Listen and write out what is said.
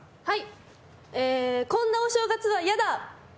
はいこんなお正月は嫌だ。